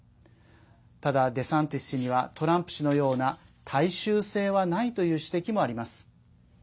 ただ、デサンティス氏にはトランプ氏のような大衆性はないという指摘もあります。